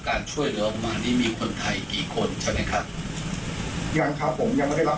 ๑หุ้ดเจ็บที่มีอาการต่อที่ถือสักครั้งต้องไหมครับ